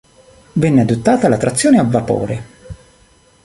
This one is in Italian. Venne adottata la trazione a vapore.